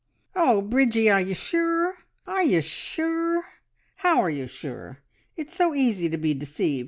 "Oh, Bridgie, are ye sure? Are ye sure? How are ye sure? It's so easy to be deceived!